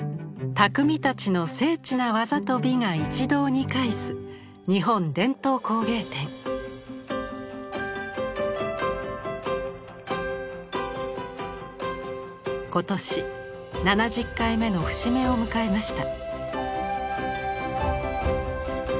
匠たちの精緻な技と美が一堂に会す今年７０回目の節目を迎えました。